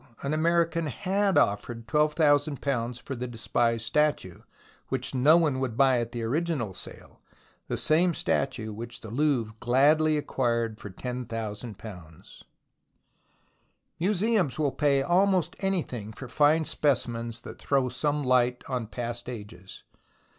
An American had offered £12,000 for the despised statue, which no one would buy at the original sale, the same statue which the Louvre gladly acquired for £10,000. Museums will pay almost anything for fine specimens that throw some light on past ages.